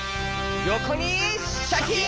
よこにシャキーン！